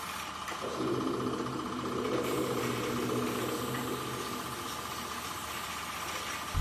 Así desnudo, el retratado e indefenso era capaz de mostrar su personalidad más sincera.